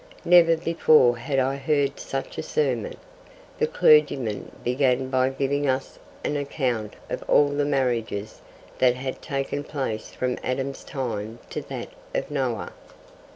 Never before had I heard such a sermon! The clergyman began by giving us an account of all the marriages that had taken place from Adam's time to that of Noah.